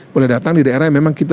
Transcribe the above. boleh datang di daerah yang memang kita